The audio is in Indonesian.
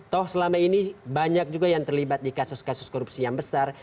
toh selama ini banyak juga yang terlibat di kasus kasus korupsi yang besar